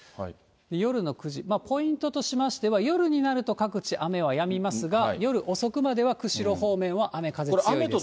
夜の９時、ポイントとしましては、夜になると各地雨はやみますが、夜遅くまでは、釧路方面は雨風強いです。